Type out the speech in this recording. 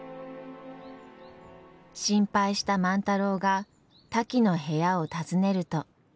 心配した万太郎がタキの部屋を訪ねると。